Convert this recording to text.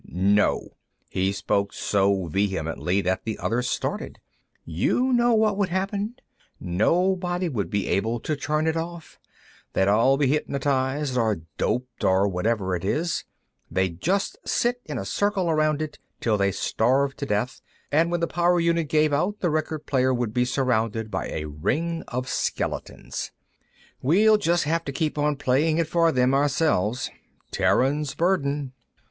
"No!" He spoke so vehemently that the others started. "You know what would happen? Nobody would be able to turn it off; they'd all be hypnotized, or doped, or whatever it is. They'd just sit in a circle around it till they starved to death, and when the power unit gave out, the record player would be surrounded by a ring of skeletons. We'll just have to keep on playing it for them ourselves. Terrans' Burden."